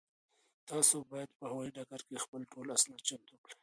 تاسو باید په هوایي ډګر کې خپل ټول اسناد چمتو کړئ.